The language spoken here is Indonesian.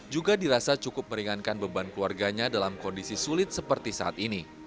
juga dirasa cukup meringankan beban keluarganya dalam kondisi sulit seperti saat ini